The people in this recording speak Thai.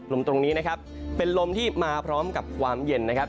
ตรงนี้นะครับเป็นลมที่มาพร้อมกับความเย็นนะครับ